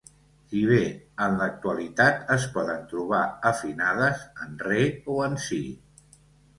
Si bé en l'actualitat es poden trobar afinades en Re o en Si.